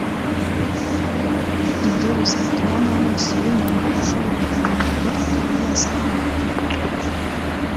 Ibyo bizatuma nk’amaso y’umuntu ashobora guhinduka akaba yasa umutuku